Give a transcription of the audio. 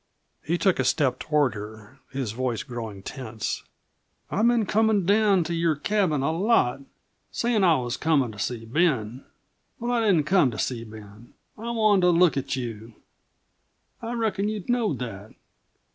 He took a step toward her, his voice growing tense. "I've been comin' down to your cabin a lot, sayin' that I was comin' to see Ben. But I didn't come to see Ben I wanted to look at you. I reckon you knowed that.